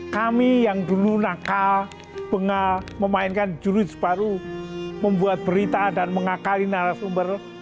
kami yang dulu nakal bengal memainkan jurus baru membuat berita dan mengakali narasumber